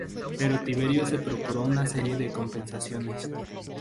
Pero Tiberio se procuró una serie de compensaciones.